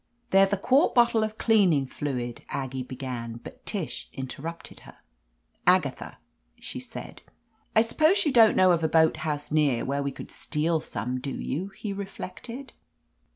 "Ther'th a quart bottle of cleaning fluid —" Aggie began, but Tish interrupted her. "Agatha !" she said. 310 j OF LETITIA CARBERRY "I suppose you don't know of a boat house near where we could steal some, do you?" he reflected.